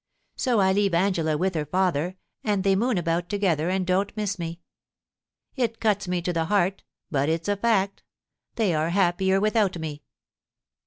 So I leave Angela with her father, and they moon about together, and don't miss me. It cuts me to the heart, but it's a fact They are happier without me.'